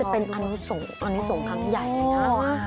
จะเป็นอนุสงค์อนุสงค์ของใหญ่เลยค่ะ